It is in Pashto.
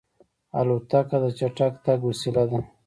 الوتکه د چټک تګ وسیله ده.